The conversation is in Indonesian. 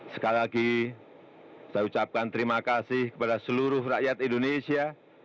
sekali lagi saya ucapkan terima kasih kepada seluruh rakyat indonesia